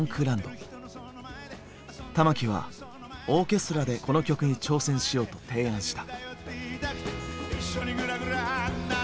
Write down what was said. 玉置はオーケストラでこの曲に挑戦しようと提案した。